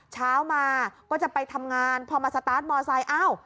เช้ามาก็จะไปทำงานพอมาสตาร์ทมอไซค์อ้าว